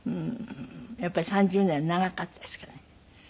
やっぱり３０年は長かったですかね？